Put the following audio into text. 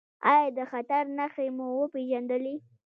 ایا د خطر نښې مو وپیژندلې؟